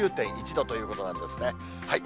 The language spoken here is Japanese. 今、９．１度ということなんですね。